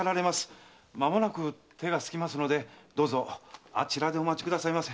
まもなく手が空きますのでどうぞあちらでお待ちくださいませ。